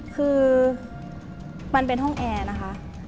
คือมันเป็นห้องแอร์นะคะ